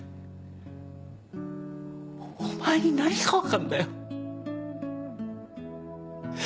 お前に何が分かんだよ。